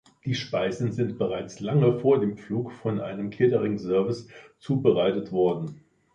Die Speisen sind bereits lange vor dem Flug von einem Cateringservice zubereitet worden.